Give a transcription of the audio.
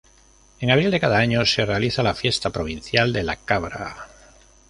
En abril de cada año, se realiza la Fiesta Provincial de la Cabra.